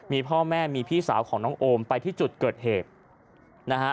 มีพ่อแม่มีพี่สาวของน้องโอมไปที่จุดเกิดเหตุนะฮะ